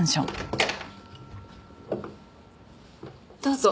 どうぞ。